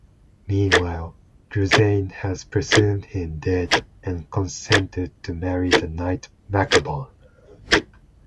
Meanwhile, Druzane has presumed him dead and consented to marry the knight Macabron.